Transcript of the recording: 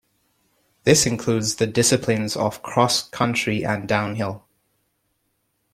This includes the disciplines of cross-country and downhill.